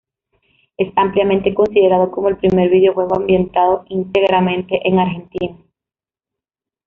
Es ampliamente considerado como el primer videojuego ambientado íntegramente en Argentina.